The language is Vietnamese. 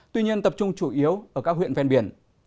tuy nhiên tập trung chủ yếu ở các huyện ven biển